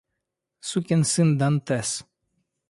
Сукин сын Дантес!